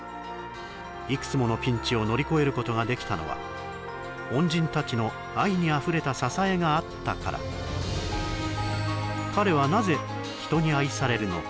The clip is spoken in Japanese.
いくつものピンチを乗り越えることができたのは恩人たちの愛にあふれた支えがあったから彼はなぜ人に愛されるのか？